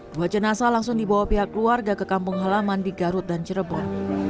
dua jenazah langsung dibawa pihak keluarga ke kampung halaman di garut dan cirebon